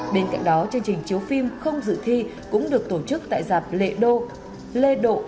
bên cạnh đó chương trình chiếu phim không dự thi cũng được tổ chức tại dạp lê độ